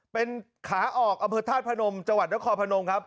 เป็นขาออกอำเภอธาตุพนมจังหวัดนครพนมครับ